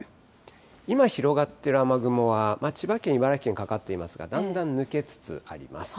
今広がってる雨雲は、千葉県、茨城県にかかっていますが、だんだん抜けつつあります。